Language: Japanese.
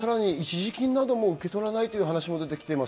さらに一時金なども受け取らないという話も出てきています。